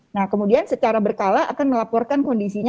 nah kemudian secara berkala akan melaporkan kondisinya